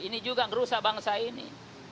ini juga ngerusak bangsa ini